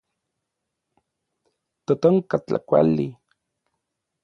Totonka tlakuali.